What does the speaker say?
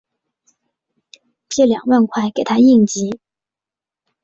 借两万块给她应急